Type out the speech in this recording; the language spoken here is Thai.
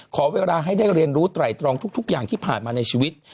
ขอเวลาให้ได้เรียนรู้ไตรตรองทุกอย่างที่ผ่านมาในชีวิต